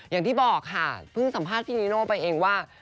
อย่างที่บอกค่ะเพิ่งสัมภาษณ์พี่นีโน่ไปเองว่า